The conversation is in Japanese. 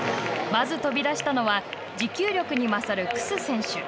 まず飛び出したのは持久力に勝る楠選手。